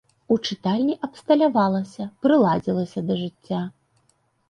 У чытальні абсталявалася, прыладзілася да жыцця.